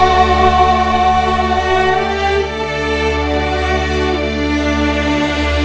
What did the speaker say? kamu sudah banyak mulia